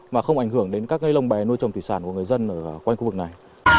mà không ảnh hưởng đến các cây lông bè nuôi trồng thủy sản của người dân ở quanh khu vực này